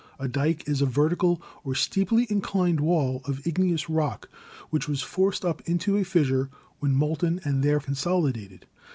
A dyke is a vertical or steeply inclined wall of igneous rock which was forced up into a fissure when molten and there consolidated.